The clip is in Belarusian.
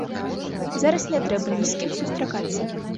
Зараз не трэба ні з кім сустракацца.